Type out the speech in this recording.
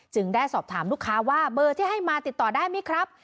ได้สอบถามลูกค้าว่าเบอร์ที่ให้มาติดต่อได้ไหมครับ